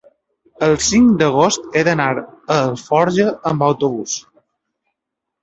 el cinc d'agost he d'anar a Alforja amb autobús.